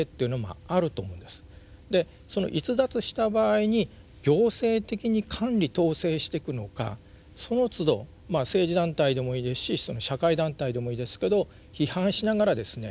でその逸脱した場合に行政的に管理統制してくのかそのつど政治団体でもいいですし社会団体でもいいですけど批判しながらですね